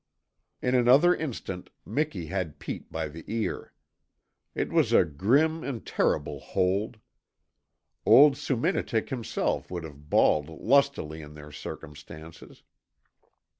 In another instant Miki had Pete by the ear. It was a grim and terrible hold. Old Soominitik himself would have bawled lustily in the circumstances.